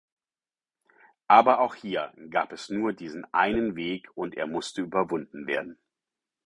Aber auch hier gab es nur diesen einen Weg und er musste überwunden werden.